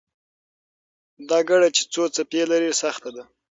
دا ګړه چې څو څپې لري، سخته ده.